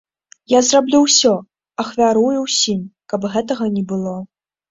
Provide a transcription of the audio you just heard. Я зраблю ўсё, ахвярую ўсім, каб гэтага не было.